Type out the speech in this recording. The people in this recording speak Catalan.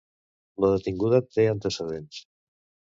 La detinguda té antecedents.